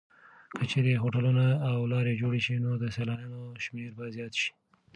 که چېرې هوټلونه او لارې جوړې شي نو د سېلانیانو شمېر به زیات شي.